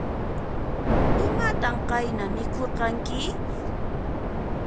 Imatan qayna mikhurqanki?